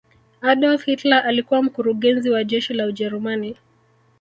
adolf hilter alikuwa mkurugezi wa jeshi la ujerumani